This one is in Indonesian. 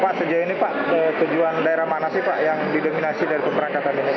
pak sejauh ini pak tujuan daerah mana sih pak yang didominasi dari pemberangkatan ini